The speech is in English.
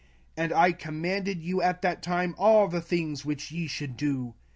05:001:018 And I commanded you at that time all the things which ye should do.